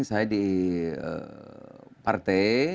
saya di partai